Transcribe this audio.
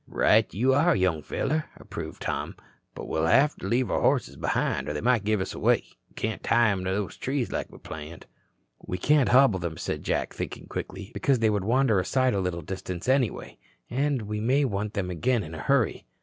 "Right you are, young feller," approved Tom. "But we'll have to leave our horses behind or they might give us away. We can't tie 'em to those trees like we planned." "We can't hobble them," said Jack, thinking quickly, "because they would wander aside a little distance, anyway. And we may want them again in a hurry."